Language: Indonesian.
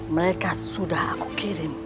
mereka sudah aku kirim